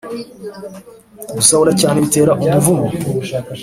Gusahura cyane bitera umuvumo.